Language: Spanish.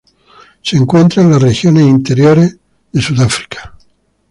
Se encuentra en las regiones interiores de Sudáfrica.